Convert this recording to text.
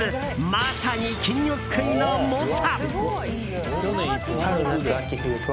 まさに金魚すくいの猛者。